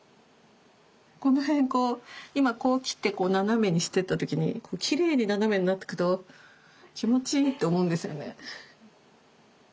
この辺こう今こう切ってこう斜めにしてった時にきれいに斜めになってくと気持ちいいって思うんですよね。